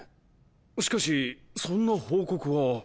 しかしそんな報告は。